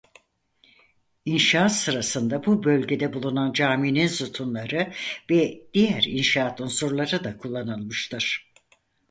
İnşaat sırasında bu bölgede bulunan caminin sütunları ve diğer inşaat unsurları da kullanılmıştır.